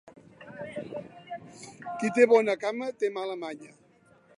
Qui té bona cama, té mala manya.